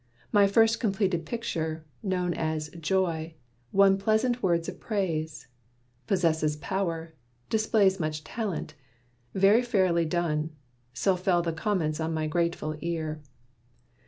My first completed picture, known as "Joy," Won pleasant words of praise. "Possesses power," "Displays much talent," "Very fairly done." So fell the comments on my grateful ear.